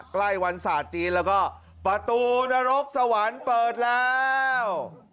ใกล้วันศาสตร์จีนแล้วก็ประตูนรกสวรรค์เปิดแล้ว